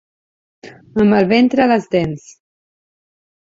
Amb el ventre a les dents.